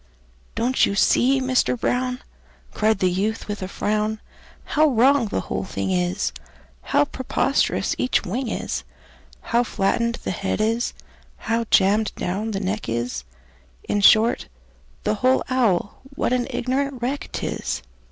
"Don't you see, Mister Brown," Cried the youth, with a frown, "How wrong the whole thing is, How preposterous each wing is, How flattened the head is, how jammed down the neck is In short, the whole owl, what an ignorant wreck 't is!